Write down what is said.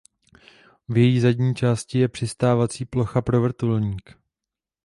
V její zadní části je přistávací plocha pro vrtulník.